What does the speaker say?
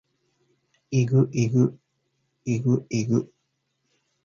ｲｸﾞｲｸﾞｲｸﾞｲｸﾞ